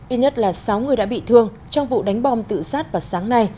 ít nhất là sáu người đã bị thương trong vụ đánh bom tự sát vào sáng nay